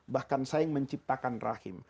bahkan saya yang menciptakan rahim